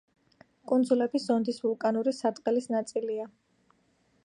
კუნძულები ზონდის ვულკანური სარტყელის ნაწილია.